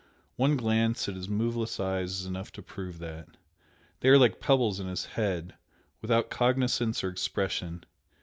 One glance at his moveless eyes is enough to prove that. They are like pebbles in his head without cognisance or expression.